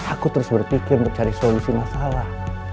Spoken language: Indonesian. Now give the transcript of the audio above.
aku terus berpikir untuk cari solusi masalah